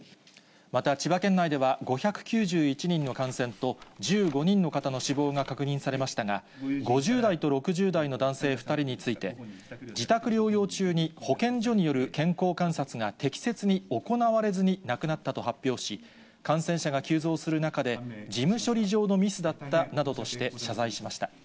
また千葉県内では５９１人の感染と、１５人の方の死亡が確認されましたが、５０代と６０代の男性２人について、自宅療養中に保健所による健康観察が適切に行われずに亡くなったと発表し、感染者が急増する中で、事務処理上のミスだったなどとして、謝罪しました。